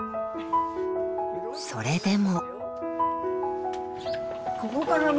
それでも。